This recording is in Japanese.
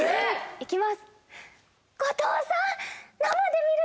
行きます。